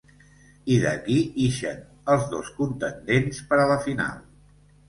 I d'aquí ixen els dos contendents per a la final.